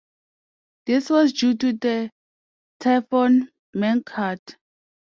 This was due to the Typhoon Mangkhut.